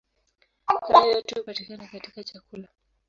Hayo yote hupatikana katika chakula.